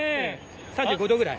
３５度ぐらい？